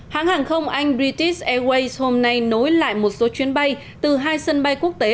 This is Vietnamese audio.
hãng hàng không anh britis airways hôm nay nối lại một số chuyến bay từ hai sân bay quốc tế